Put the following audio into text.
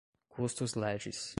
custos legis